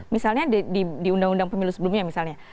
misalnya di undang undang pemilu sebelumnya misalnya